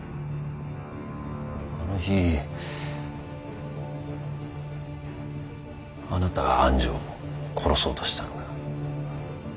あの日あなたが愛珠を殺そうとしたのか。